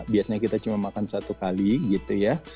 biasanya kita cuma makan satu kali gitu ya